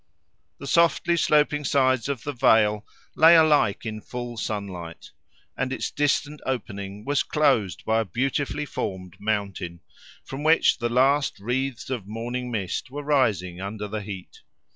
The softly sloping sides of the vale lay alike in full sunlight; and its distant opening was closed by a beautifully formed mountain, from which the last wreaths of morning mist were rising under the heat.